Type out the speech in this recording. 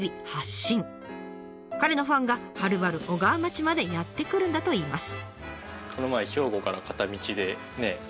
彼のファンがはるばる小川町までやって来るんだといいます。